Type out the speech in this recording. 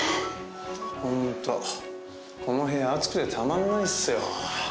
ホントこの部屋暑くてたまんないっすよ。